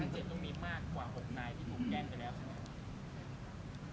๑๕๗ต้องมีมากกว่าห่วงนายที่ถูกแกล้งไปแล้ว